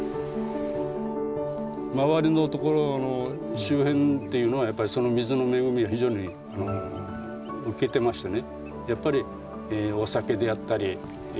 周りのところの周辺っていうのはその水の恵みを非常に受けてましてね